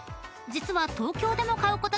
実は］